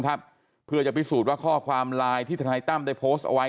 เพื่อจะพิสูจน์ว่าข้อความไลน์ที่ทนายตั้มได้โพสต์เอาไว้